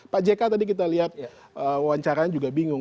pak jk tadi kita lihat wawancaranya juga bingung